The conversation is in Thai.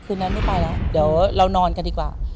คืนนั้นไม่ไปแล้วเดี๋ยวเรานอนกันดีกว่า